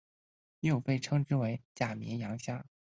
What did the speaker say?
又被称之为假绵羊虾。